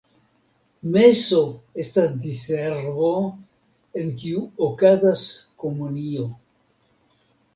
Meso estas diservo, en kiu okazas komunio.